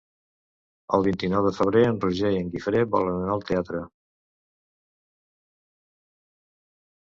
El vint-i-nou de febrer en Roger i en Guifré volen anar al teatre.